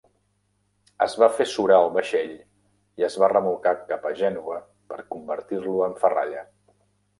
Es va fer surar el vaixell i es va remolcar cap a Gènova per convertir-lo en ferralla.